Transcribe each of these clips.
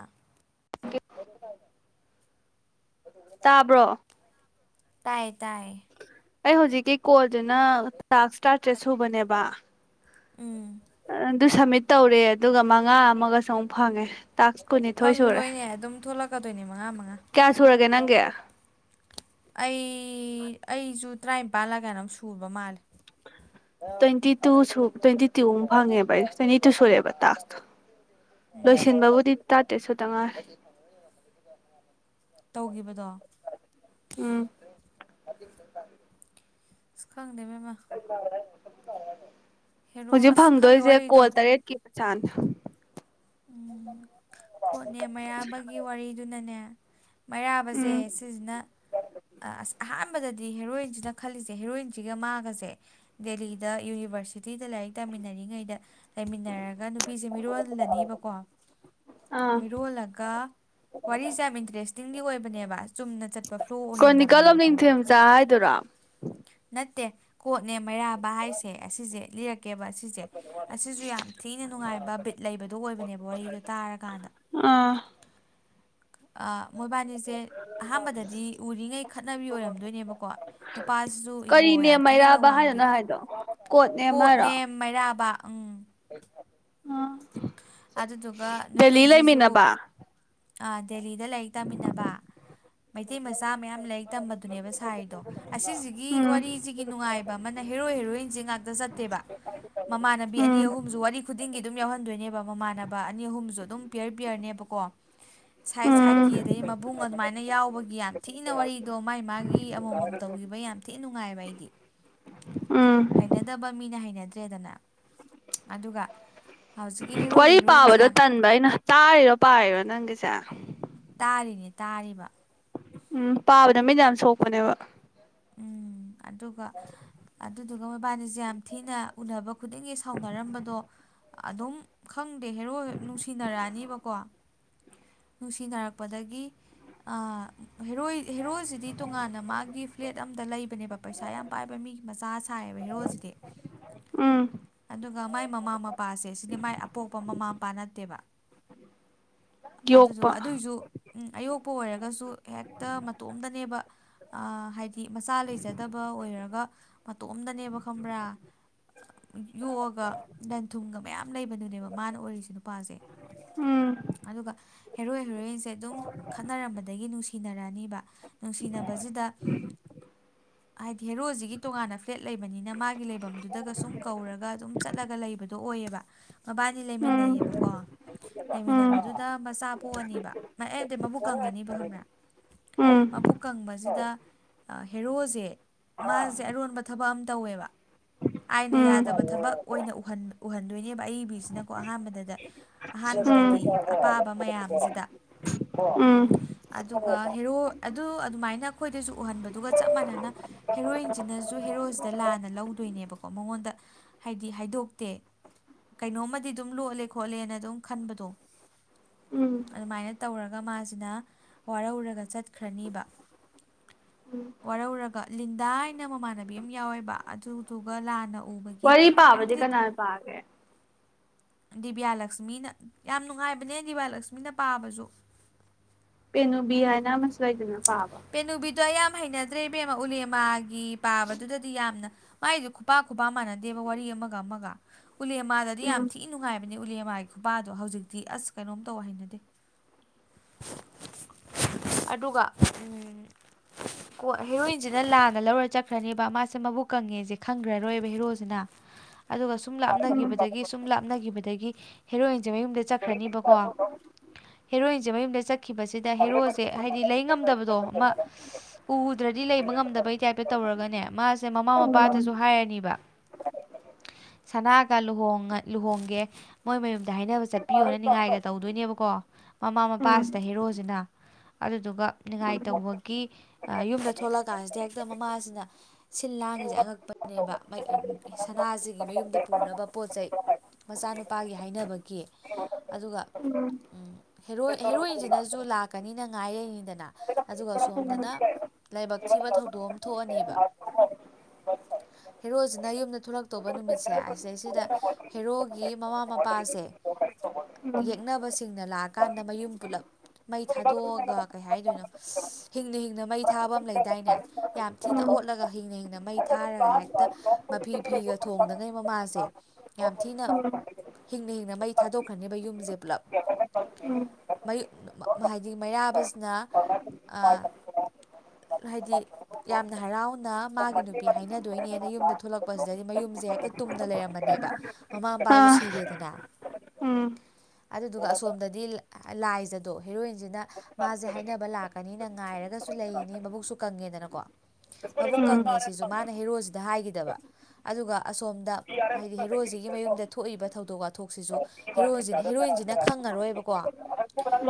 ꯑꯥ ꯇꯥꯕ꯭ꯔꯣ ꯇꯥꯏꯌꯦ ꯇꯥꯏ ꯑꯩ ꯍꯧꯖꯤꯛꯀꯤ ꯀꯣꯜꯗꯨꯅ ꯂꯥꯛ ꯏꯁꯇꯥꯔꯇꯦꯠ ꯁꯨꯕꯅꯦꯕ ꯎꯝ ꯑꯗꯨ ꯁꯝꯃꯤꯠ ꯇꯧꯔꯦ ꯑꯗꯨꯒ ꯃꯉꯥ ꯑꯃꯒꯁꯨ ꯑꯃꯨꯛ ꯐꯪꯉꯦ ꯇꯥꯛꯁ ꯀꯨꯟꯅꯤꯊꯣꯏ ꯁꯨꯔꯦ ꯐꯪꯗꯣꯏꯅꯦ ꯑꯗꯨꯝ ꯊꯣꯛꯂꯛꯀꯗꯣꯏꯅꯦ ꯃꯉꯥ ꯃꯉꯥ ꯌꯥ ꯑꯩ ꯑꯩꯁꯨ ꯇꯔꯥꯅꯤꯄꯥꯜꯂꯒꯅ ꯑꯃꯝ ꯁꯨꯕ ꯃꯥꯜꯂꯦ ꯇ꯭ꯋꯦꯟꯇꯤ ꯇꯨꯁꯨ ꯇ꯭ꯋꯦꯟꯇꯤ ꯇꯨ ꯑꯃꯨꯛ ꯐꯪꯉꯦꯕ ꯑꯩ ꯇ꯭ꯋꯦꯟꯇꯤ ꯇꯨ ꯁꯨꯔꯦꯕ ꯇꯥꯛꯇ ꯎꯝ ꯂꯣꯏꯁꯤ ꯕꯨꯨ ꯇꯥ ꯇꯁꯨꯣ ꯇꯉꯥꯏ ꯇꯧꯈꯤꯕꯗꯣ ꯎꯝ [inaudible] ꯑꯗꯨꯕꯃ ꯍꯧꯖꯤꯛ ꯈꯪꯗꯦ ꯐꯪꯗꯣꯏꯁꯦ ꯋꯥꯔꯤꯗꯣ ꯀꯣꯜ ꯇꯔꯦꯠꯀꯤ ꯄꯆꯥꯟꯗ ꯎꯝ ꯀꯣꯠꯅꯦ ꯃꯩꯔꯥꯕꯒꯤ ꯋꯥꯔꯤꯗꯨꯅꯅꯦ ꯎꯝ ꯃꯩꯔꯥꯕꯁꯦ ꯁꯤꯁꯤꯅ ꯑꯁ ꯑꯍꯥꯟꯕ ꯑꯥꯟꯕꯗꯗꯤ ꯍꯦꯔꯣꯏꯟꯁꯤꯅ ꯈꯜꯂꯤꯁꯦ ꯍꯦꯔꯣꯏꯟꯁꯤꯒ ꯃꯥꯒꯁꯦ ꯗꯦꯜꯂꯤꯗ ꯌꯨꯅꯤꯕꯔꯁꯤꯇꯤꯗ ꯂꯥꯏꯔꯤꯛ ꯇꯥꯃꯤꯟꯅꯔꯤꯉꯩꯗ ꯂꯩꯃꯤꯟꯅꯔꯒ ꯅꯨꯄꯤꯁꯦ ꯃꯤꯔꯣ ꯀꯣ ꯑꯥ ꯃꯤꯔꯣꯜꯂꯒ ꯋꯥꯔꯤꯁꯦ ꯌꯥꯝ ꯏꯟꯇꯔꯦꯁꯇꯤꯡꯂꯤ ꯑꯣꯏꯕꯅꯦꯕ ꯆꯨꯝꯅ ꯆꯠꯄ ꯐ꯭ꯂꯣ ꯑꯣꯏꯍꯟꯗꯕꯅꯦꯕ ꯈꯪꯕ꯭ꯔꯥ ꯎꯝ ꯇ ꯀꯣꯠꯅꯦ ꯃꯩꯔꯥꯕ ꯍꯥꯏꯁꯦ ꯑꯁꯤꯁꯦ ꯂꯤꯔꯛ ꯦꯁꯦ ꯌꯥꯝ ꯊꯤꯅ ꯅꯨꯡꯉꯥꯏꯕ ꯕꯤꯠ ꯂꯩꯕꯗꯣ ꯑꯣꯏꯕꯅꯦꯕ ꯋꯥꯔꯤꯗ ꯇꯥꯔꯀꯥꯟꯗ ꯑꯥ ꯃꯣꯏꯕꯥꯅꯤꯁꯦ ꯑꯍꯥꯟꯕꯗꯗꯤ ꯎꯔꯤꯉꯩ ꯈꯠꯅꯕꯤ ꯑꯣꯏꯔꯝꯗꯣꯏꯅꯦꯕꯀꯣ ꯅꯨꯄꯥꯁꯤꯁꯨ ꯏꯒꯣ ꯀꯔꯤꯅꯦ ꯌꯥꯝ ꯊꯤꯅ ꯃꯩꯔꯥꯕ ꯋꯥꯡꯕꯤ ꯍꯥꯏꯅꯣꯅ ꯍꯥꯏꯗꯣ ꯀꯣꯠꯅꯦ ꯍꯥꯏꯔꯣ ꯇꯕ ꯑ ꯑꯗꯨꯗꯨꯒ ꯅꯨꯄꯤꯁꯤꯁꯨ ꯑꯥ ꯗꯦꯂꯤꯗ ꯂꯥꯏꯔꯤꯛ ꯇꯝꯃꯤꯟꯅꯕ ꯃꯩꯇꯩ ꯃꯆꯥ ꯃꯌꯥꯝ ꯂꯥꯏꯔꯤꯛ ꯇꯝꯕꯗꯨꯅꯦꯕ ꯁꯥꯔꯤꯗꯣ ꯑꯁꯤꯁꯤꯒꯤ ꯎꯝ ꯋꯥꯔꯤꯁꯤꯒꯤ ꯅꯨꯡꯉꯥꯏꯕ ꯑꯃꯅ ꯍꯦꯔꯣ ꯍꯦꯔꯣꯏꯟꯁꯤ ꯉꯥꯛꯇ ꯆꯠꯇꯦꯕ ꯃꯃꯥꯟꯅꯕꯤ ꯑꯅꯤ ꯎꯝ ꯑꯍꯨꯝꯁꯨ ꯋꯥꯔꯤ ꯈꯨꯗꯤꯡꯒꯤ ꯑꯗꯨꯝ ꯌꯥꯎꯍꯟꯗꯣꯏꯅꯦꯕ ꯏꯃꯥꯟꯅꯕ ꯑꯅꯤ ꯑꯍꯨꯝꯁꯨ ꯑꯗꯨꯝ ꯄꯤꯌꯔ ꯄꯤꯌꯔꯅꯦꯕꯀꯣ ꯁꯥꯏꯠ ꯎꯝ ꯁꯥꯏꯠꯀꯤ ꯑꯗꯩ ꯃꯕꯨꯡ ꯑꯗꯨꯃꯥꯏꯅ ꯌꯥꯎꯕꯒꯤ ꯌꯥꯝ ꯊꯤꯅ ꯋꯥꯔꯤꯗꯣ ꯃꯥꯥꯏ ꯃꯥꯒꯤ ꯑꯃꯃꯝ ꯇꯧꯈꯤꯕ ꯌꯥꯝ ꯊꯤꯅ ꯅꯨꯡꯉꯥꯏꯕ ꯑꯩꯗꯤ ꯎꯝ ꯍꯩꯅꯗꯕ ꯃꯤꯅ ꯍꯩꯅꯗ ꯦꯗꯅ ꯑꯗꯨꯒ ꯍꯧ ꯋꯥꯔꯤ ꯄꯥꯕꯗꯣ ꯇꯟꯕ ꯑꯩꯅ ꯇꯥꯔꯤꯔꯣ ꯄꯥꯔꯤꯔꯣ ꯅꯪꯒꯤ ꯆ ꯇꯥꯔꯤꯅꯦ ꯇꯥꯔꯤꯕ ꯎꯝ ꯄꯥꯕꯗ ꯃꯤꯗ ꯌꯥꯝ ꯁꯣꯛꯄꯅꯦꯕ ꯎꯝ ꯑꯗꯨꯒ ꯑꯗꯨ ꯑꯗꯨꯒ ꯃꯣꯏꯕꯥꯅꯤꯁꯦ ꯌꯥꯝ ꯊꯤꯅ ꯎꯅꯕ ꯈꯨꯗꯤꯡꯒꯤ ꯁꯥꯎꯅꯔꯝꯕꯗꯣ ꯑꯗꯨꯝ ꯈꯪꯗꯦ ꯍꯦꯔꯣ ꯍꯦꯛ ꯅꯨꯡꯁꯤꯅꯔꯛꯑꯅꯦꯕꯀꯣ ꯅꯨꯡꯁꯤꯅꯔꯛꯄꯗꯒꯤ ꯍꯦꯔꯣꯏ ꯍꯦꯔꯣꯏꯁꯤꯗꯤ ꯇꯣꯉꯥꯟꯅ ꯃꯥꯒꯤ ꯄ꯭ꯂꯦꯠ ꯑꯝꯗ ꯂꯩꯕꯅꯦꯕ ꯄꯩꯁꯥ ꯌꯥꯝ ꯄꯥꯏꯕ ꯃꯤ ꯃꯆꯥ ꯁꯥꯏꯌꯦꯕ ꯍꯦꯔꯣꯁꯤꯗꯤ ꯎꯝ ꯒ ꯃꯥꯏ ꯃꯃꯥ ꯃꯄꯥꯁꯦ ꯁꯤꯗꯤ ꯃꯥꯏ ꯑꯄꯣꯛꯄ ꯃꯃꯥ ꯃꯄꯥ ꯅꯠꯇꯦꯕ ꯌꯣꯛꯄ ꯑꯗꯨꯗꯨꯒ ꯑꯗꯨꯏꯁꯨ ꯎ ꯑꯌꯣꯛꯄ ꯑꯣꯏꯔꯒꯁꯨ ꯍꯦꯛꯇ ꯃꯇꯣꯝꯇꯅꯦꯕ ꯍꯥꯏꯗꯤ ꯃꯆꯥ ꯂꯩꯖꯗꯕ ꯑꯣꯏꯔꯒ ꯃꯇꯣꯝꯗꯅꯦꯕ ꯈꯪꯕ꯭ꯔꯥ ꯌꯣꯛꯑꯒ ꯂꯟ ꯊꯨꯝꯒ ꯃꯌꯥꯝ ꯂꯩꯕꯗꯨꯅꯦꯕ ꯃꯥꯅ ꯑꯣꯏꯔꯤꯁꯦ ꯅꯨꯄꯥꯁꯦ ꯎꯝ ꯑꯗꯨꯒ ꯍꯦꯔꯣꯏ ꯍꯦꯔꯣꯏꯟꯁꯦ ꯑꯗꯨꯝ ꯈꯠꯅꯔꯝꯕꯗꯒꯤ ꯅꯨꯡꯁꯤꯅꯔꯛꯑꯅꯤꯕ ꯅꯨꯡꯁꯤꯅꯕꯕꯁꯤꯗ ꯍꯥꯏꯗꯤ ꯍꯦꯔꯣꯖꯤꯒꯤ ꯇꯣꯉꯥꯟꯅ ꯐ꯭ꯂꯦꯠ ꯂꯩꯕꯅꯤꯅ ꯃꯥꯒꯤ ꯂꯩꯐꯝꯗꯨꯗꯒ ꯁꯨꯝ ꯀꯧꯔꯒ ꯑꯗꯨꯝ ꯆꯠꯂꯒ ꯂꯩꯕꯗꯣ ꯑꯣꯏꯌꯦꯕ ꯃꯕꯥꯅꯤ ꯎꯝ ꯂꯩꯃꯤꯟꯅꯩꯌꯦꯕꯀꯣ ꯎꯝ ꯂꯩꯃꯤꯟꯅꯕꯗꯨꯗ ꯃꯆꯥ ꯄꯣꯛꯑꯅꯦꯕ ꯑꯦ ꯃꯕꯨꯛ ꯀꯪꯉꯅꯤꯕ ꯈꯪꯕ꯭ꯔꯥ ꯎꯝ ꯃꯕꯨꯛ ꯀꯪꯕꯁꯤꯗ ꯍꯦꯔꯣꯁꯦ ꯃꯥꯁꯦ ꯑꯔꯣꯟꯕ ꯊꯕꯛ ꯑꯃ ꯌꯥꯝ ꯇꯧꯋꯦꯕ ꯑꯥꯏꯅ ꯌꯥꯗꯕ ꯊꯕꯛ ꯑꯣꯏꯅ ꯎꯍꯟꯗꯣꯏꯅꯦꯕ ꯑꯏꯕꯤꯁꯤꯅꯀꯣ ꯑꯍꯥꯟꯕꯗ ꯎꯝ ꯎꯝ ꯑꯍꯥꯟꯕꯗꯗꯤ ꯑꯄꯥꯕ ꯃꯌꯥꯝꯁꯤꯗ ꯎꯝ ꯑꯗꯨꯒ ꯍꯦꯔꯣ ꯑꯗꯨ ꯑꯗꯨꯃꯥꯏꯅ ꯑꯩꯈꯣꯏ ꯎꯍꯟꯕꯗꯨꯒ ꯆꯞ ꯃꯥꯟꯅꯅ ꯍꯦꯔꯣꯏꯟꯁꯤꯅꯁꯨ ꯍꯦꯔꯣꯁꯤꯗ ꯂꯥꯟꯅ ꯂꯧꯗꯣꯏꯅꯦꯕꯀꯣ ꯃꯉꯣꯟꯗ ꯍꯥꯏꯗꯤ ꯍꯥꯏꯗꯣꯛꯇꯦ ꯀꯩꯅꯣꯝꯃꯗꯤ ꯑꯗꯨꯝ ꯂꯣꯠꯂꯦ ꯈꯣꯠꯂꯦꯅ ꯑꯗꯨꯝ ꯈꯟꯕꯗꯣ ꯎꯝ ꯑꯗꯨꯃꯥꯏꯅ ꯇꯧꯔꯒ ꯋꯥꯔꯔꯒ ꯆꯠꯈ ꯋꯥꯔꯧꯔꯒ ꯂꯤꯟꯗꯥ ꯍꯥꯏꯅ ꯃꯃꯥꯟꯅꯕꯤ ꯑꯃ ꯌꯥꯎꯋꯦꯕ ꯑꯗꯨꯗꯨꯒ ꯂꯥꯟꯅ ꯎꯕꯒꯤ ꯋꯥꯔꯤ ꯄꯥꯕꯗꯤ ꯀꯩꯝꯇꯗꯤ ꯀꯅꯥꯅ ꯄꯥꯒꯦ ꯗꯤꯕꯤꯌꯥꯂꯛꯁꯃꯤꯅ ꯌꯥꯝ ꯅꯨꯡꯉꯥꯏꯕꯅꯦ ꯗꯤꯕꯤꯌꯥꯂꯛꯁꯃꯤꯅ ꯄꯥꯕꯁꯨ ꯄꯦꯅꯨꯕꯤ ꯍꯥꯏꯅ ꯃꯁꯂꯏꯗꯅ ꯋꯥꯕ ꯑꯗꯣ ꯌꯥꯝ ꯍꯩꯅꯗ꯭ꯔꯦ ꯏꯕꯦꯝꯃꯥ ꯎꯂꯦꯃ ꯒꯤ ꯄꯥꯕꯗꯨꯗꯗꯤ ꯌꯥꯝꯅ ꯃꯥꯏꯗꯨ ꯈꯨꯄꯥ ꯈꯨꯄꯥ ꯃꯥꯟꯅꯗꯦꯕ ꯋꯥꯔꯤ ꯑꯃꯒ ꯑꯃꯒ ꯎꯂꯦꯃꯥꯗꯗꯤ ꯌꯥꯝ ꯎꯝ ꯊꯤꯅ ꯅꯨꯡꯉꯥꯏꯕ ꯅꯤ ꯎꯂꯦꯃꯥꯏ ꯈꯨꯄꯥꯗꯣ ꯍꯧꯖꯤꯛꯇꯤ ꯑꯁ ꯀꯩꯅꯣꯝ ꯇꯧ ꯍꯩꯅꯗꯦ ꯎꯝ ꯀꯣ ꯍꯦꯔꯣꯏꯟꯁꯤꯅ ꯂꯥꯟꯅ ꯂꯧꯔ ꯆꯠꯈ꯭ꯔꯅꯦꯕ ꯃꯥꯁꯦ ꯃꯕꯨꯛ ꯀꯪꯉꯦꯁꯦ ꯈꯪꯉꯔꯣꯏꯕ ꯍꯦꯔꯣꯁꯤꯅ ꯑꯗꯨꯒ ꯁꯨꯝ ꯂꯥꯞꯅꯈꯤꯕꯗꯒꯤ ꯁꯨꯝ ꯂꯥꯞꯅꯈꯤꯕꯗꯒꯤ ꯍꯦꯔꯣꯏꯟ ꯖꯦ ꯃꯌꯨꯝꯗ ꯆꯠꯈ꯭ꯔꯅꯤꯕꯀꯣ ꯍꯦꯔꯣꯏꯟꯁꯦ ꯃꯌꯨꯝꯗ ꯈꯤꯕꯁꯤꯗ ꯍꯦꯔꯣꯁꯦ ꯍꯥꯏꯗꯤ ꯂꯩ ꯉꯝꯗꯕ ꯃ ꯎꯗ꯭ꯔꯗꯤ ꯂꯩꯕ ꯉꯝꯗꯕꯩ ꯇꯥꯏꯞꯇ ꯇꯧ ꯔꯒꯅꯦ ꯃꯥꯁꯦ ꯃꯃꯥ ꯎꯝ ꯃꯄꯥꯗꯁꯨ ꯍꯥꯏꯔꯅꯤꯕ ꯁꯅꯥ ꯃꯥꯒ ꯂꯨꯍꯣꯡꯉ ꯂꯨꯍꯣꯡꯒꯦ ꯃꯣꯏ ꯃꯌꯨꯝ ꯗ ꯍꯥꯏꯅꯕ ꯆꯠꯄꯤꯌꯣꯅ ꯅꯤꯡꯉꯥꯏꯒ ꯇꯧꯗꯣꯏꯅꯦꯕꯀꯣ ꯃꯃꯥ ꯎꯝ ꯃꯄꯥꯁꯤꯗ ꯍꯦꯔꯣꯁꯤꯅ ꯑꯗꯨꯗꯨꯒ ꯎꯝ ꯅꯤꯉꯥꯏꯇꯧꯕꯒꯤ ꯑ ꯌꯨꯝꯗ ꯊꯣꯛꯂꯛꯑ ꯀꯥꯟꯁꯤꯗ ꯍꯦꯛꯇ ꯃꯃꯥꯁꯤꯅ ꯁꯤꯜ ꯂꯥꯡꯉꯤꯁꯦ ꯎꯝ ꯑꯉꯛꯄꯅꯦꯕ ꯃꯥꯏ ꯑ ꯁꯅꯥꯁꯤꯒꯤ ꯃꯌꯨꯝꯗ ꯄꯨꯅꯕ ꯄꯣꯠ ꯆꯩ ꯃꯆꯥꯅꯨꯄꯥꯒꯤ ꯍꯥꯏꯅꯕꯒꯤ ꯑꯗꯨꯒ ꯎꯝ ꯍꯦꯔꯣꯏꯟꯁꯤꯅꯁꯨ ꯂꯥꯛꯀꯅꯤꯅ ꯉꯥꯏ ꯂꯩꯅꯤꯗꯅ ꯑꯗꯨꯒ ꯁꯣꯝꯗꯅ ꯂꯥꯏꯕꯛ ꯊꯤꯕ ꯊꯧꯗꯣꯛ ꯑꯝ ꯊꯣꯛꯑꯅꯤꯕ ꯍꯦꯔꯣꯁꯤꯅ ꯌꯨꯝꯗ ꯊꯣꯛꯂꯛꯇꯧꯕ ꯅꯨꯃꯤꯠꯁꯦ ꯑꯁꯤꯗꯩꯁꯤꯗ ꯍꯦꯔꯣꯒꯤ ꯃꯃꯥ ꯃꯄꯥꯁꯦ ꯌꯦꯛꯅꯕꯁꯤꯡꯅ ꯎꯝ ꯎꯝ ꯎꯝ ꯂꯥꯛꯑꯀꯥꯟꯗ ꯃꯌꯨꯝ ꯄꯨꯂꯞ ꯃꯩ ꯊꯥꯗꯣꯛꯑꯒ ꯀꯩ ꯍꯥꯏꯗꯣꯏꯅꯣ ꯍꯤꯡꯅ ꯍꯤꯡꯅ ꯃꯩ ꯊꯥꯕ ꯑꯃ ꯂꯩꯗꯥꯏꯅꯦ ꯌꯥꯝ ꯊꯤꯅ ꯑꯣꯠꯂꯒ ꯍꯤꯡꯅ ꯍꯤꯡꯅ ꯃꯩ ꯊꯥꯔꯒ ꯍꯦꯛꯇ ꯃꯐꯤ ꯐꯤꯒ ꯊꯣꯡꯗꯉꯩ ꯃꯃꯥꯁꯦ ꯌꯥꯝ ꯊꯤꯅ ꯍꯤꯡꯅ ꯍꯤꯡꯅ ꯃꯩ ꯊꯥꯗꯣꯛꯈ꯭ꯔꯅꯦꯕ ꯌꯨꯝꯁꯦ ꯄꯨꯂꯞ ꯃꯩ ꯍꯥꯏꯗꯤ ꯃꯩꯔꯥꯕꯁꯤꯅ ꯑ ꯍꯥꯏꯗꯤ ꯌꯥꯝꯅ ꯍꯔꯥꯎꯅ ꯃꯥꯒꯤ ꯅꯨꯄꯤ ꯍꯥꯏꯅꯗꯣꯏꯅꯦꯅ ꯌꯨꯝꯗ ꯊꯣꯛꯂꯛꯄꯁꯤꯗꯗꯤ ꯃꯌꯨꯝꯁꯦ ꯍꯦꯛꯇ ꯇꯨꯝꯅ ꯂꯩꯔꯝꯕꯅꯦꯕ ꯃꯃꯥ ꯃꯄꯥꯁꯨ ꯁꯤꯔꯦꯗꯅ ꯎꯝ ꯑꯗꯨꯗꯨꯒ ꯑꯁꯣꯝꯗꯗꯤ ꯂꯥꯏꯖꯗꯣ ꯍꯦꯔꯣꯏꯟꯁꯤꯅ ꯃꯥꯁꯦ ꯍꯥꯏꯅꯕ ꯂꯥꯛ ꯀ ꯀꯅꯤꯅ ꯉꯥꯏꯔꯒꯁꯨ ꯂꯩꯔꯤꯅꯤ ꯃꯕꯨꯛꯁꯨ ꯀꯪꯉꯦꯗꯅꯀꯣ ꯃꯕꯨꯛ ꯀꯪꯉꯦ ꯁꯤꯁꯨ ꯃꯥꯅ ꯍꯦꯔꯣꯁꯤꯗ ꯍꯥꯏꯈꯤꯗꯕ ꯑꯗꯨꯒ ꯑꯁꯣꯝꯗ ꯍꯥꯏꯗꯤ ꯍꯦꯔꯣꯁꯤꯒꯤ ꯃꯌꯨꯝꯗ ꯊꯣꯛꯏꯕ ꯊꯧꯗꯣꯛ ꯋꯥꯊꯣꯛꯁꯤꯁꯨ ꯍꯦꯔꯣꯁꯤꯅ ꯍꯦꯔꯣꯏꯟꯁꯤꯅ ꯈꯪꯉꯔꯣꯏꯕꯀꯣ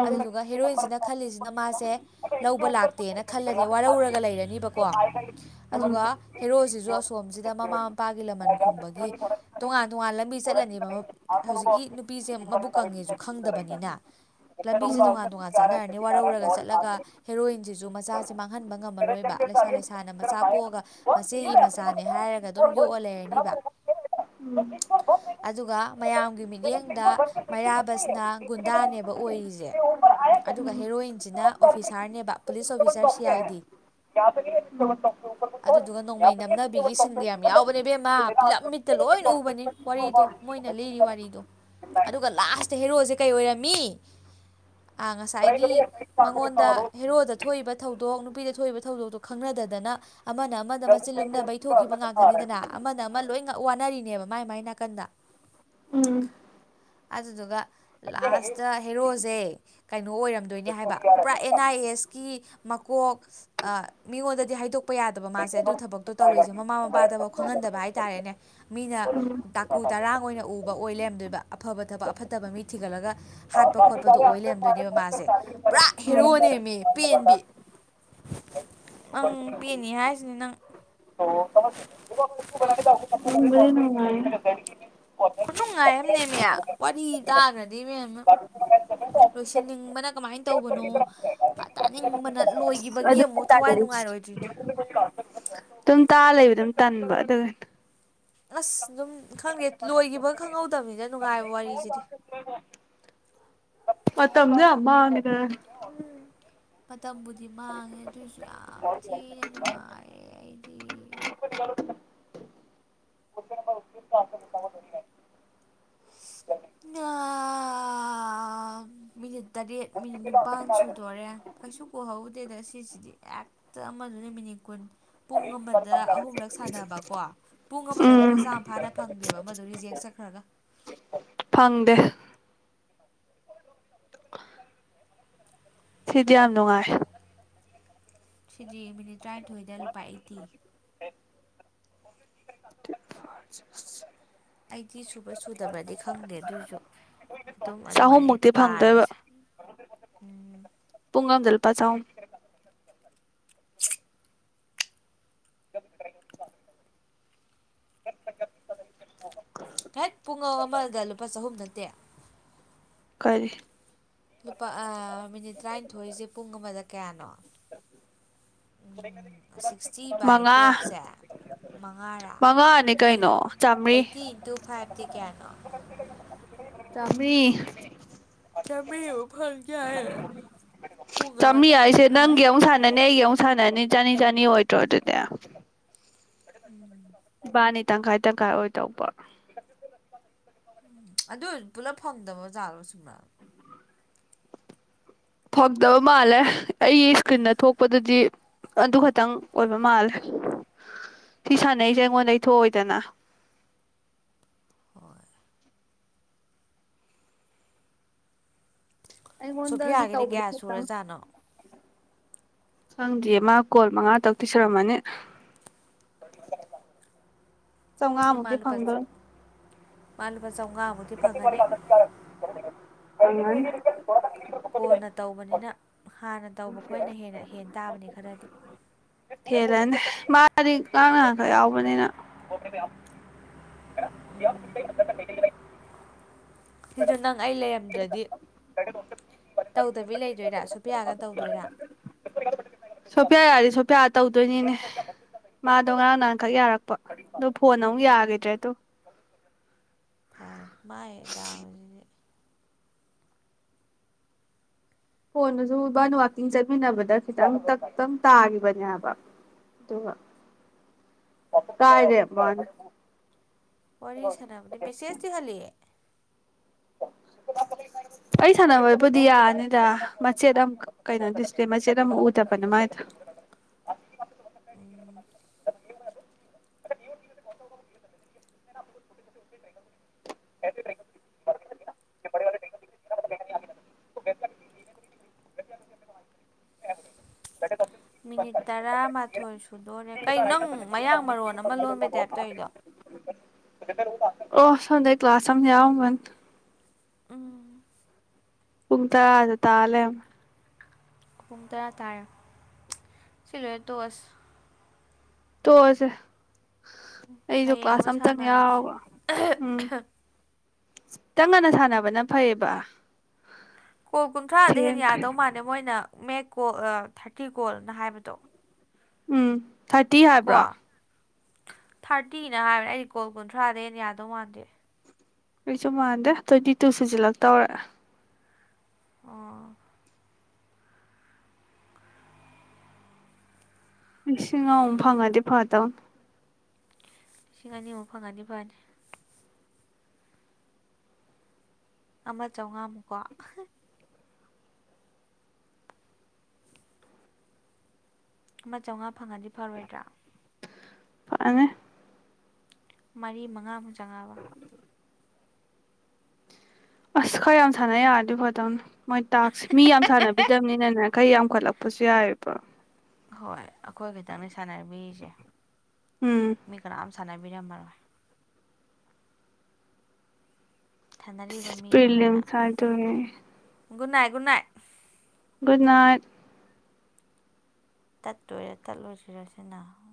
ꯑꯗꯨꯗꯨꯒ ꯍꯦꯔꯣꯏꯟꯁꯤꯅ ꯈꯜꯂꯤꯁꯤꯅ ꯃꯥꯁꯦ ꯂꯧꯕ ꯂꯥꯛꯇꯦꯅ ꯈꯜꯂꯅꯤ ꯋꯥꯔꯧꯔꯒ ꯂꯩꯔꯅꯤꯕꯀꯣ ꯑꯗꯨꯒ ꯍꯦꯔꯣꯁꯤꯁꯨ ꯑꯁꯣꯝꯁꯤꯗ ꯃꯃꯥ ꯃꯄꯥꯒꯤ ꯂꯃꯟ ꯈꯨꯝꯕꯒꯤ ꯇꯣꯉꯥꯟ ꯇꯣꯉꯥꯟ ꯂꯝꯕꯤ ꯆꯠꯂꯅꯦꯕ ꯍꯧꯖꯤꯛꯀꯤ ꯅꯨꯄꯤꯁꯦ ꯃꯕꯨꯛ ꯀꯪꯉꯦꯁꯨ ꯈꯪꯗꯕꯅꯤꯅ ꯂꯝꯕꯤꯁꯦ ꯇꯣꯉꯥꯟ ꯇꯣꯉꯥꯟ ꯆꯠꯅꯔꯅꯤ ꯋꯥꯔꯧꯔꯒ ꯆꯠꯂꯒ ꯍꯦꯔꯣꯏꯟꯁꯤꯁꯨ ꯃꯆꯥꯁꯦ ꯃꯥꯡꯍꯟꯕ ꯉꯝꯃꯔꯣꯏꯕ ꯂꯩꯁꯥ ꯂꯩꯁꯥꯅ ꯃꯆꯥ ꯄꯣꯛꯑꯒ ꯃꯆꯦꯒꯤ ꯃꯆꯥꯅꯦ ꯍꯥꯏꯔꯒ ꯑꯗꯨꯝ ꯌꯣꯛꯑ ꯂꯩꯔꯅꯤꯕ ꯑꯗꯨꯒ ꯃꯌꯥꯝꯒꯤ ꯃꯤꯠꯌꯦꯡꯗ ꯃꯩꯔꯥꯕꯁꯤꯅ ꯒꯨꯟꯗꯥꯅꯦꯕ ꯑꯣꯏꯔꯤꯁꯦ ꯑꯗꯨꯒ ꯍꯦꯔꯣꯏꯟꯁꯤꯅ ꯑꯣꯐꯤꯁꯥꯔꯅꯦꯕ police officer C I D [inaudible] ꯑꯗꯨꯗꯨꯒ ꯅꯣꯡꯃꯩ ꯅꯝꯅꯕꯤꯒꯤ ꯁꯤꯟꯒ ꯌꯥꯝ ꯌꯥꯎꯕꯅꯦ ꯕꯦꯝꯃ ꯐꯤꯂꯝ ꯃꯤꯠꯇ ꯂꯣꯏꯅ ꯎꯕꯅꯤ ꯋꯥꯔꯤꯗꯣ ꯃꯣꯏꯅ ꯂꯤꯔꯤ ꯋꯥꯔꯤꯗꯣ ꯑꯗꯨꯒ ꯂꯥꯁꯇ ꯍꯦꯔꯣꯁꯦ ꯀꯩ ꯑꯣꯏꯔꯝꯃꯤ ꯑ ꯉꯁꯥꯏꯒꯤ ꯃꯉꯣꯟꯗ ꯍꯦꯔꯣꯗ ꯊꯣꯛꯏꯕ ꯊꯧꯗꯣꯛ ꯅꯨꯄꯤꯗ ꯊꯣꯛꯏꯕ ꯊꯧꯗꯣꯛꯇꯣ ꯈꯪꯅꯗꯗꯅ ꯑꯃꯅ ꯑꯃꯗ ꯃꯆꯤꯟ ꯂꯨꯝꯅꯕꯩ ꯊꯣꯛꯈꯤꯕ ꯉꯥꯛꯇꯅꯤꯗꯅ ꯑꯃꯅ ꯑꯃ ꯂꯣꯏ ꯉ ꯋꯥꯅꯔꯤꯅꯦꯕ ꯃꯥꯏ ꯃꯥꯏ ꯅꯥꯀꯟꯗ ꯑꯗꯨꯗꯨꯒ ꯂꯥꯁꯇ ꯍꯦꯔꯣꯁꯦ ꯀꯩꯅꯣ ꯑꯣꯏꯔꯝꯗꯣꯏꯅꯦ ꯍꯥꯏꯕ ꯄꯨꯔꯥ ꯑꯦꯟ ꯑꯥꯏ ꯑꯦꯁꯀꯤ ꯃꯀꯣꯛ ꯃꯤꯉꯣꯟꯗꯗꯤ ꯍꯥꯏꯗꯣꯛꯄ ꯌꯥꯗꯕ ꯃꯥꯁꯦ ꯑꯗꯨ ꯊꯕꯛꯇꯣ ꯇꯧꯋꯁꯦ ꯃꯃꯥ ꯃꯄꯥꯗꯕꯥꯎ ꯈꯪꯍꯟꯗꯕ ꯍꯥꯏ ꯇꯥꯔꯦꯅꯦ ꯃꯤꯅ ꯗꯥꯀꯨ ꯗꯔꯥꯡ ꯑꯣꯏꯅ ꯎꯕ ꯑꯣꯏ ꯂꯩꯔꯝꯗꯣꯏꯕ ꯑꯐꯕ ꯊꯕꯛ ꯑꯐꯠꯇꯕ ꯃꯤ ꯊꯤꯒꯠꯂꯒ ꯍꯥꯠꯄ ꯈꯣꯠꯄꯗꯣ ꯑꯣꯏ ꯂꯩꯔꯝꯗꯣꯏꯅꯦꯕ ꯃꯥꯁꯦ ꯄꯨꯔꯥ ꯍꯦꯔꯣꯅꯦꯃꯤ ꯄꯦꯟꯕꯤ ꯅꯪ ꯄꯦꯟꯅꯨ ꯍꯥꯏꯁꯤꯅꯦ ꯅꯪ ꯅꯨꯡꯕꯨꯗꯤ ꯅꯨꯡꯉꯥꯏꯅꯤ ꯈꯨꯅꯨꯡꯉꯥꯏ ꯑꯃꯅꯦ ꯃꯤ ꯋꯥꯔꯤ ꯇꯥꯒ꯭ꯔꯗꯤ ꯏꯕꯦꯝꯃ ꯂꯣꯏꯁꯤꯟꯅꯤꯡꯕꯅ ꯀꯃꯥꯏꯅ ꯇꯧꯕꯅꯣ ꯇꯥꯅꯤꯡꯕꯅ ꯂꯣꯏꯘꯤꯕꯒꯤ ꯑꯗꯨꯝ ꯇꯥ ꯂꯩꯕ ꯗꯨꯝ ꯇꯟꯕ [unintelligible] ꯑꯁ ꯗꯨꯝ ꯈꯪꯗꯦ ꯂꯣꯏꯘꯤꯕ ꯈꯪꯍꯧꯗꯕꯅꯤꯗ ꯅꯨꯡꯉꯥꯏꯕ ꯋꯥꯔꯤꯁꯤꯗꯤ ꯃꯇꯝꯗ ꫭꯌꯥꯡ ꯃꯥꯡꯉꯤꯗꯅ ꯃꯇꯝꯕꯨꯗꯤ ꯃꯥꯡꯉꯦ ꯑꯗꯨꯏꯁꯨ ꯌꯥꯝ ꯊꯤꯅ ꯅꯨꯡꯉꯥꯏꯌꯦ ꯑꯩꯗꯤ ꯅꯥ ꯃꯤꯅꯤꯠ ꯇꯔꯦꯠ ꯃꯤꯅꯤꯠ ꯅꯤꯄꯥꯥꯟ ꯁꯨꯗꯣꯔꯦ ꯀꯩꯁꯨ ꯀꯨꯍꯧꯗꯦꯗ ꯁꯤꯁꯤꯗꯤ ꯍꯦꯛꯇ ꯑꯃꯗꯨꯅꯦ ꯃꯤꯅꯤꯠ ꯀꯨꯟ ꯄꯨꯡ ꯑꯃꯗ ꯑꯍꯨꯝꯂꯛ ꯁꯥꯟꯅꯕꯀꯣ ꯄꯨꯡ ꯑꯃꯗ ꯂꯨꯄꯥ ꯎꯝ ꯆꯥꯝ ꯐꯥꯅ ꯐꯪꯗꯦꯕ ꯑꯃꯗꯣ ꯔꯤꯖꯦꯛ ꯆꯠꯈ꯭ꯔꯒ ꯍꯪꯗꯦ ꯁꯤꯗꯤ ꯌꯥꯝ ꯅꯨꯡꯉꯥꯏ ꯁꯤꯗꯤ ꯃꯤꯅꯤꯠ ꯇꯔꯥꯏꯟꯊꯣꯏꯗ ꯂꯨꯄꯥ ꯑꯩꯠꯇꯤ ꯑꯩꯗꯤ ꯁꯨꯕ ꯁꯨꯗꯕ꯭ꯔꯗꯤ ꯈꯪꯗꯦ ꯑꯗꯨꯑꯣꯏꯁꯨ ꯑꯗꯨꯝ ꯑꯗꯨꯃꯥꯏꯅ ꯑꯩ ꯆꯍꯨꯝꯃꯨꯛꯇꯤ ꯐꯪꯗꯣꯏꯕ ꯄꯥꯔꯁꯦ ꯎꯝ ꯄꯨꯡꯒꯥꯝ ꯂꯄꯁꯨꯥꯎ ꯍꯦꯛ ꯄꯨꯡ ꯑ ꯑꯃꯗ ꯂꯨꯄꯥ ꯆꯍꯨꯝ ꯅꯠꯇꯦ ꯀꯔꯤꯦ ꯂꯨꯄꯥ ꯃꯤꯅꯤꯠ ꯇꯔꯥꯅꯤꯊꯣꯏꯁꯦ ꯄꯨꯡ ꯑꯃꯗ ꯀꯌꯥꯅꯣ ꯎꯝ ꯁꯤꯛꯁꯇꯤ ꯕꯥꯏ ꯃꯉꯥ ꯇꯨꯌꯦꯦꯜꯐꯁꯦ ꯃꯉꯥꯔꯥ ꯃꯉꯥꯅꯤ ꯀꯩꯅꯣ ꯆꯥꯝꯃ꯭ꯔꯤ ꯑꯩꯠꯇꯤ ꯏꯟꯇꯨ ꯐꯥꯏꯚꯇꯤ ꯀꯦꯅꯥ ꯇꯃꯤꯕꯤ ꯆꯃꯤ ꯑꯣ ꯐꯜ ꯀ ꯍꯥꯏ ꯆꯥꯃꯤꯌꯥ ꯑꯩꯁꯦ ꯅꯪꯒꯤ ꯑꯃꯨꯛ ꯁꯥꯟꯅꯅꯤ ꯅꯒꯦꯨ ꯁꯥꯟꯅ ꯅꯤ ꯆꯥ ꯅꯤ ꯆꯥꯅꯤ ꯑꯣꯏꯗ꯭ꯔꯣ ꯑꯗꯨꯗ ꯎꯝ ꯏꯕꯥꯅꯤ ꯇꯪꯈꯥꯏ ꯇꯪꯈꯥꯏ ꯑꯣꯏꯗꯧꯕ ꯎꯝ ꯑꯗꯨꯁꯨ ꯄꯨꯂꯞ ꯐꯪꯗꯕꯖꯥꯠꯂꯣ ꯁꯃ ꯐꯣꯛꯗꯕ ꯃꯥꯂꯦ ꯑꯩꯒꯤ ꯏꯁꯀ꯭ꯔꯤꯟꯗ ꯊꯣꯛꯄꯗꯗꯤ ꯑꯗꯨ ꯈꯛꯇꯪ ꯑꯣꯏꯕ ꯃꯥꯜꯂꯦ ꯁꯤ ꯁꯥꯟꯅꯩꯁꯦ ꯑꯩꯉꯣꯟꯗ ꯏ ꯊꯣꯛꯑꯣꯏꯗꯅ ꯍꯣꯏ ꯑꯩꯉꯣꯟꯗꯒꯤ ꯁꯣꯐꯤꯌꯥꯒꯤꯗꯤ ꯇꯧꯕꯗꯨ ꯀꯌꯥ ꯈꯛꯇꯪ ꯁꯨꯔꯖꯥꯠꯅꯣ ꯈꯪꯗꯦ ꯃꯥ ꯀꯣꯜ ꯃꯉꯥ ꯇꯧꯄꯤꯤꯁꯔꯝꯃꯅꯤ ꯆꯪꯉꯃꯗꯤ ꯐꯪꯒ ꯄꯂ ꯆꯥꯝꯃꯉꯥꯃꯨꯗꯤ ꯐꯪꯒꯅꯤ ꯑ ꯀꯣꯟꯅ ꯇꯧꯕꯅꯤꯅ ꯍꯥꯟꯅ ꯇꯧꯕ ꯈꯣꯏꯅ ꯍꯦꯟꯅ ꯍꯦꯟꯅ ꯇꯥꯕꯅꯤ ꯈꯔꯗꯤ ꯍꯦꯜꯂꯟꯗꯦ ꯃꯥꯗꯤ ꯉꯥꯛꯇ ꯌꯥꯎꯕꯅꯤꯅ ꯁꯤꯁꯨ ꯅꯪ ꯑꯩ ꯂꯩꯔꯝꯗ꯭ꯔꯗꯤ ꯇꯧꯗꯕꯤ ꯂꯩꯗꯣꯏꯔꯥ ꯁꯨꯄꯌꯥꯒ ꯇꯧꯗꯣꯏꯔꯥ ꯁꯣꯐꯤꯌꯥ ꯌꯥꯔꯗꯤ ꯁꯣꯐꯤꯌꯥ ꯇꯧꯗꯣꯏꯅꯤꯅꯦ ꯃꯥꯗꯣ ꯉꯔꯥꯡ ꯅꯍꯥꯟꯈꯛ ꯌꯥꯔꯛꯄ ꯑꯗꯨ ꯐꯣꯟ ꯑꯃꯨꯛ ꯌꯥꯈꯤꯗ꯭ꯔꯦꯗꯣ ꯐꯔꯦ ꯃꯥꯥꯏ ꯗꯥꯎꯁꯤꯗꯤ ꯍꯣꯟꯅꯁꯨꯕꯥꯅ ꯋꯥꯋꯥꯛꯀꯤꯡ ꯆꯠꯃꯤꯟꯅꯕꯗ ꯈꯤꯇꯪ ꯇ ꯇꯪ ꯇꯥꯈꯤꯕꯅꯦꯕ ꯑꯗꯨꯒ ꯀꯥꯏꯔꯦ ꯃꯥꯅ ꯋꯥꯔꯤ ꯁꯥꯟꯅꯕꯗꯤ ꯃꯦꯁꯦꯖꯇꯤ ꯍꯜꯂꯤꯑꯦ ꯑꯩ ꯁꯥꯟꯅꯕꯣꯏꯕꯨꯗꯤ ꯌꯥꯅꯤꯗ ꯃꯆꯦꯠ ꯑꯃ ꯀꯩꯅꯣꯗꯤꯁꯄꯦ ꯃꯆꯦꯠ ꯑꯃꯛ ꯎꯗꯕꯅꯦ ꯃꯥꯥꯏꯗ ꯎꯝ ꯁꯦ ꯃꯤꯅꯤꯠ ꯇꯔꯥꯃꯥꯊꯣꯏ ꯁꯨꯗꯣꯔꯦ ꯀꯩ ꯅꯪ ꯃꯌꯥꯡ ꯃꯔꯣꯟ ꯑꯃ ꯂꯣꯟꯕꯩ ꯇꯥꯏꯞꯇꯧꯔꯤꯗꯣ ꯑꯣ ꯁꯗ ꯀ ꯀ꯭ꯂꯥꯁ ꯑꯃꯒ ꯎꯝ꯫ ꯄꯨꯡ ꯇꯥꯔꯥꯗꯤ ꯇꯥ ꯂꯩꯔꯝꯃꯦ ꯫ ꯄꯨꯡ ꯇꯔꯥ ꯇꯥꯔꯦ ꯁꯤ ꯂꯣꯏꯔꯥ ꯇꯣꯀ ꯑꯁꯤ꯫ ꯇꯣꯛ ꯑꯁꯤ꯫ ꯑꯩꯁꯨ ꯍꯌꯦꯡ ꯀ꯭ꯂꯥꯁ ꯑꯃꯨꯛ ꯑꯝꯇꯪ ꯁꯥꯟꯅꯔꯁꯤ ꯌꯥꯎꯕ ꯎꯝ꯫ ꯇꯪ ꯉꯟꯅ ꯁꯥꯟꯅꯕꯅ ꯐꯩꯌꯦꯕ ꯀꯣꯜ ꯀꯨꯟꯊ꯭ꯔꯥꯗ ꯍꯦ ꯊꯦꯡꯈ꯭ꯔꯦ ꯌꯥꯗꯧ ꯃꯥꯜꯂꯦ ꯃꯣꯏꯅ ꯃꯦꯛ ꯀꯣꯜ ꯊꯥꯔꯇꯤ ꯒꯣꯜꯅ ꯍꯥꯏꯕꯗꯣ ꯎꯝ꯫ ꯊꯥꯔꯇꯤ ꯀꯣ ꯍꯥꯏꯕ꯭ꯔꯥ? ꯊꯥꯔꯇꯤꯅ ꯍꯥꯏꯕ꯭ꯔꯥ ꯑꯩ ꯀꯣꯜ ꯀꯨꯟꯊ꯭ꯔꯥꯗ ꯍꯦꯟꯅ ꯌꯥꯗꯧ ꯃꯥꯟꯗꯦ꯫ ꯑꯩꯁꯨ ꯃꯥꯟꯗꯦ ꯇ꯭ꯋꯦꯟꯇꯤ ꯇꯨ ꯁꯤꯁꯤꯜꯂꯛꯇꯧꯔꯦ꯫ ꯑꯣ꯫ ꯁꯤꯡ ꯑꯃꯥ ꯐꯪꯉꯗꯤ ꯐꯥꯠꯗꯧꯅꯤ꯫ ꯂꯤꯁꯤꯡ ꯑꯅꯤꯃꯨꯛ ꯐꯪꯒꯅꯤ ꯐꯅꯤ꯫ ꯑꯃ ꯆꯧꯉꯃꯨꯛ ꯀꯣ꯫ ꯑꯃ ꯆꯥꯝꯃꯉꯥ ꯐꯪꯉꯗꯤ ꯐꯔꯣꯏꯗ꯭ꯔꯥ? [unintelligible] ꯃꯔꯤ ꯃꯉꯥ ꯆꯪꯉꯥꯕ ꯑꯁ ꯈꯔ ꯌꯥꯝ ꯁꯥꯟꯅ ꯌꯥꯔꯗꯤ ꯐꯗꯧꯅ ꯃꯣꯏ ꯇꯥꯛꯁꯦ ꯃꯤ ꯌꯥꯝ ꯁꯥꯟꯅꯕꯤꯗꯕꯅꯤꯅꯅꯦ ꯈꯩ ꯌꯥꯝꯈꯠꯂꯛꯄꯁꯨ ꯌꯥꯏꯑꯦꯕ꯫ ꯍꯣꯏ꯫ ꯑꯩꯈꯣꯏ ꯈꯤꯇꯪꯅꯤ ꯁꯥꯟꯅꯕꯤꯁꯦ ꯎꯝ ꯃꯤ ꯀꯅꯥꯝ ꯁꯥꯟꯅꯕꯤꯔꯝꯃꯔꯣꯏ꯫ ꯁꯥꯟꯅꯔꯤꯕ prelims [unintelligible] good night good night. Good night. ꯇꯠꯇꯣꯏꯔꯦ ꯇꯠꯂꯣꯏꯁꯤꯔꯁꯤꯅ꯫